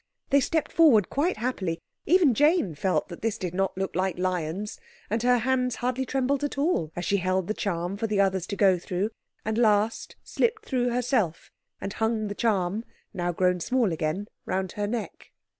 They stepped forward quite happily. Even Jane felt that this did not look like lions, and her hand hardly trembled at all as she held the charm for the others to go through, and last, slipped through herself, and hung the charm, now grown small again, round her neck.